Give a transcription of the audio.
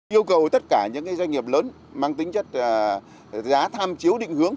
yêu cầu tất cả những doanh nghiệp lớn mang tính chất giá tham chiếu định hướng